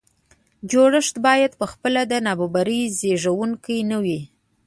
جوړښت باید په خپله د نابرابرۍ زیږوونکی نه وي.